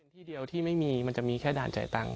ที่เดียวที่ไม่มีมันจะมีแค่ด่านจ่ายตังค์